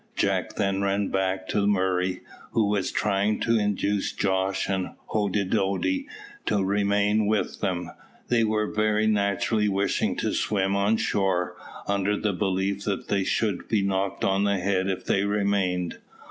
Jack then ran back to Murray, who was trying to induce Jos and Hoddidoddi to remain with them, they very naturally wishing to swim on shore, under the belief that they should be knocked on the head if they remained.